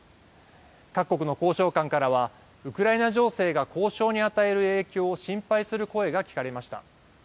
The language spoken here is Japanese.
各国の交渉官からは、ウクライナ情勢が交渉に与える影響を心配する声が聞かれました。